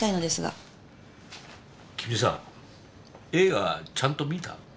君さ映画ちゃんと観た？